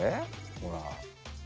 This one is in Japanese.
ほら。